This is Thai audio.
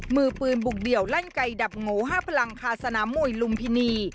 มือปืนบุกเดี่ยวลั่นไก่ดับงู๕พลังคาสนามมวยลุมพินี